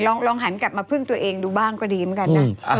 ลองหันกลับมาพึ่งตัวเองดูบ้างก็ดีเหมือนกันนะ